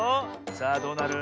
さあどうなる？